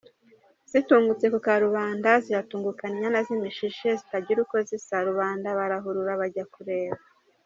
Zitungutse ku karubanda zihatungukana inyana z’imishishe zitagira uko zisa; rubanda barahurura bajya kureba.